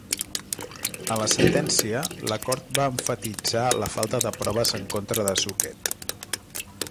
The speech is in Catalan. A la sentència, la Cort va emfatitzar la falta de proves en contra de Zucchet.